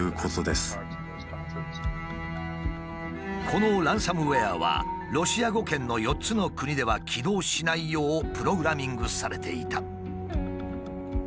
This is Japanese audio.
このランサムウエアはロシア語圏の４つの国では起動しないようプログラミングされていた。